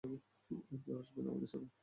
কেউ আসবেন আমাদের সাথে?